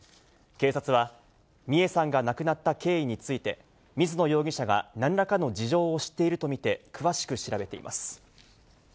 警察は、美恵さんが亡くなった経緯について、水野容疑者がなんらかの事情を知っていると見て、詳しく調べています。